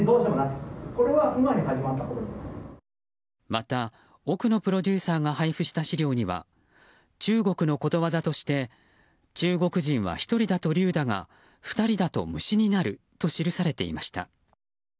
また、奥野プロデューサーが配布した資料には中国のことわざとして中国人は１人だと龍だが２人だと虫になると記されていました。